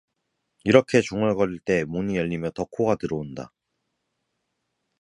이렇게 중얼거릴 때 문이 열리며 덕호가 들어온다.